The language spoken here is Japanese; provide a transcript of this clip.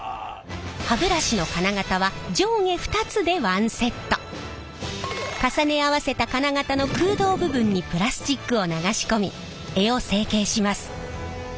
歯ブラシの金型は重ね合わせた金型の空洞部分にプラスチックを流し込み柄を成形します。